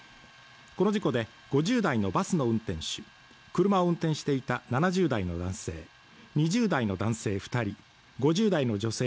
この事故で５０代のバスの運転手車を運転していた７０代の男性２０代の男性